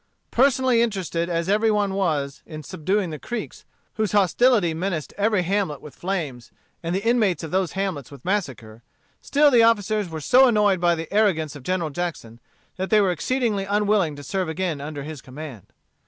Personally interested as every one was in subduing the Creeks, whose hostility menaced every hamlet with flames and the inmates of those hamlets with massacre, still the officers were so annoyed by the arrogance of General Jackson that they were exceedingly unwilling to serve again under his command.